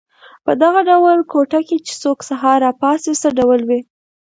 په دغه ډول کوټه کې چې څوک سهار را پاڅي څه ډول وي.